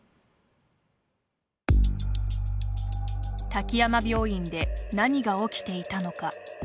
滝山病院で何が起きていたのか。